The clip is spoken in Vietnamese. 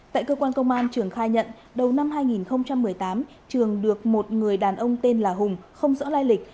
tại cơ quan công an trường khai nhận đầu năm hai nghìn một mươi tám trường được một người đàn ông tên là hùng không rõ lai lịch